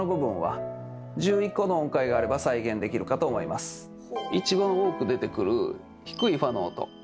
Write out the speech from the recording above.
まず一番多く出てくる低いファの音。